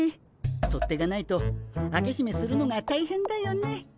取っ手がないと開けしめするのが大変だよね。